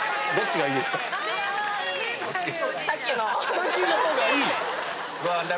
さっきの方がいい？